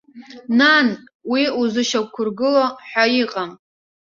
Нан, уи узышьақәыргыло ҳәа иҟам.